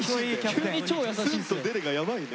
ツンとデレがやばいね。